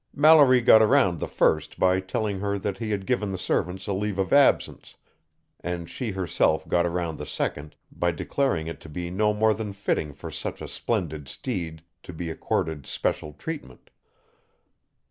Mallory got around the first by telling her that he had given the servants a leave of absence, and she herself got around the second by declaring it to be no more than fitting for such a splendid steed to be accorded special treatment.